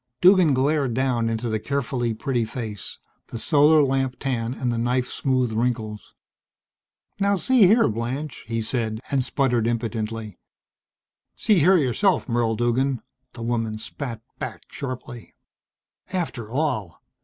Duggan glared down into the carefully pretty face, the solar lamp tan and the knife smoothed wrinkles. "Now see here, Blanche," he said, and spluttered impotently. "See here yourself, Merle Duggan," the woman spat back sharply. "After all!